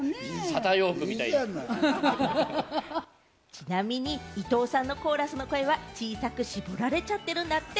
ちなみに、伊藤さんのコーラスの声は小さく絞られちゃってるんだって。